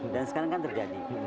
dan sekarang kan terjadi